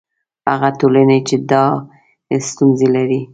هغه ټولنې چې دا ستونزې لري.